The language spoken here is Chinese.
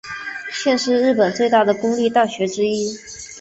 现是日本最大的公立大学之一。